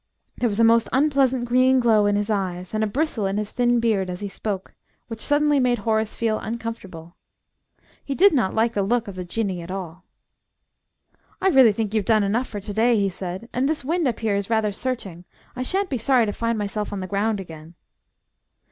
There was a most unpleasant green glow in his eyes and a bristle in his thin beard as he spoke, which suddenly made Horace feel uncomfortable. He did not like the look of the Jinnee at all. "I really think you've done enough for to day," he said. "And this wind up here is rather searching. I shan't be sorry to find myself on the ground again."